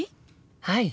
はい！